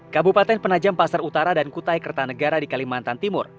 kabupaten penajam pasar utara dan kutai kertanegara di kalimantan timur